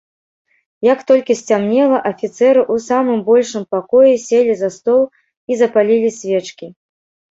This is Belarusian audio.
Як толькі сцямнела, афіцэры ў самым большым пакоі селі за стол і запалілі свечкі.